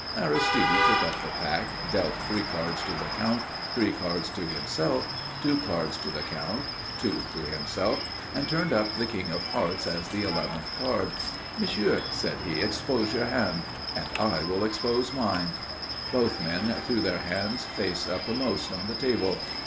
Aristide took up the pack, dealt three cards to the Count, three cards to himself, two cards to the Count, two to himself and turned up the King of Hearts as the eleventh card. "Monsieur," said he, "expose your hand and I will expose mine." Both men threw their hands face uppermost on the table.